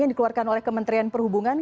yang dikeluarkan oleh kementerian perhubungan